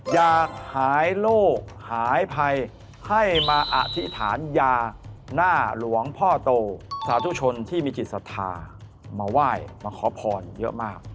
อยากหายโลกหายภัยให้มาอธิษฐานยาหน้าหลวงพ่อโตสาธุชนที่มีจิตศรัทธามาไหว้มาขอพรเยอะมาก